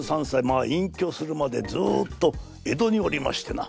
まあいんきょするまでずっと江戸におりましてな